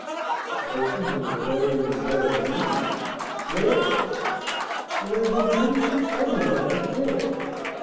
"The person who is going to employ me?" "Yes." "Why, then, didn't you tell me that before?"